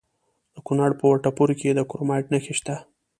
د کونړ په وټه پور کې د کرومایټ نښې شته.